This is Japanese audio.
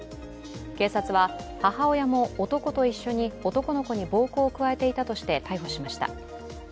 警察は母親も男と一緒に男の子に暴行を加えていたとして逮捕しました。